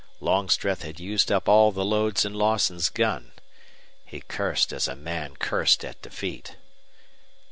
Longstreth had used up all the loads in Lawson's gun. He cursed as a man cursed at defeat.